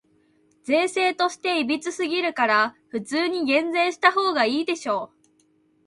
税制として歪すぎるから、普通に減税したほうがいいでしょ。